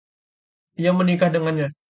Ia menikah dengannya.